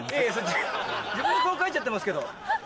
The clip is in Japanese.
自分の顔書いちゃってますけど。